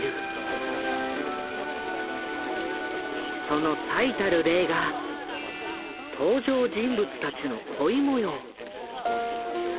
その最たる例が登場人物たちの恋もよう。